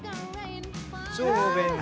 「超便利！」